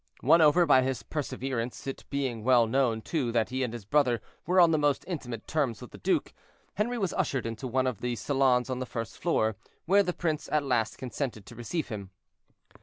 Won over by his perseverance, it being well known too that he and his brother were on the most intimate terms with the duke, Henri was ushered into one of the salons on the first floor, where the prince at last consented to receive him.